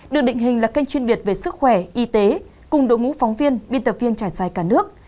được định hình là kênh chuyên biệt về sức khỏe y tế cùng đội ngũ phóng viên biên tập viên trải dài cả nước